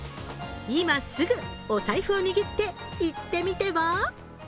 今すぐお財布を握って行ってみては？